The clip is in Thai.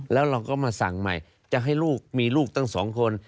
แล้วเราก็มาสั่งใหม่จะให้ลูกมีลูกตั้ง๒คน